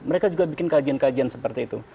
mereka juga bikin kajian kajian seperti itu